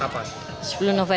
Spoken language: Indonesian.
sampai nggak tahu kan itu